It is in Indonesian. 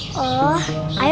oh ayo bu guru silahkan masuk